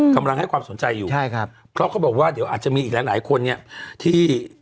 กำลังให้ความสนใจอยู่เขาก็บอกว่าเดี๋ยวอาจจะมีอีกหลานหลายคนเนี่ยที่